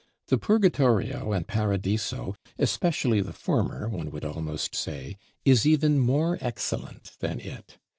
The 'Purgatorio' and 'Paradiso,' especially the former, one would almost say, is even more excellent than it.